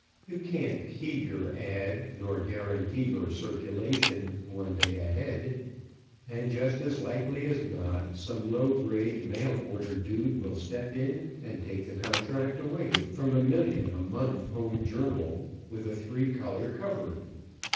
You can't key your ad. nor guarantee your circulation one day ahead; and, just as likely as not, some low grade mailorder dude will step in, and take the contract away from a million a month home journal with a three color cover.